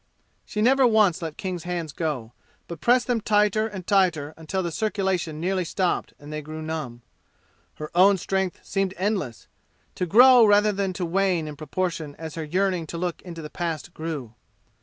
She never once let King's hands go, but pressed them tighter and tighter until the circulation nearly stopped and they grew numb. Her own strength seemed endless to grow rather than to wane in proportion as her yearning to look into the past grew.